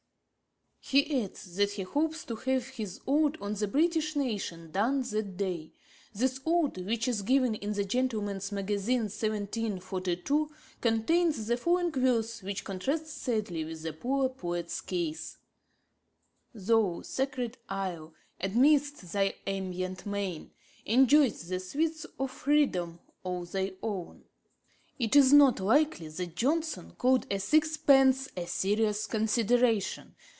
He adds that he hopes to have his Ode on the British Nation done that day. This Ode, which is given in the Gent. Mag. 1742, p. 383, contains the following verse, which contrasts sadly with the poor poet's case: 'Thou, sacred isle, amidst thy ambient main, Enjoyst the sweets of freedom all thy own.' [G 2] It is not likely that Johnson called a sixpence 'a serious consideration.'